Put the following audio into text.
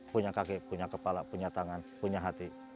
punya kaki punya kepala punya tangan punya hati